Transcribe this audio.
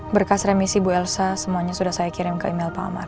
berkas remisi ibu elsa semuanya sudah saya kirim ke email pak amar